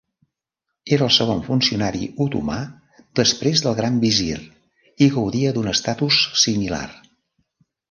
Era el segon funcionari otomà després del gran visir i gaudia d'un estatus similar.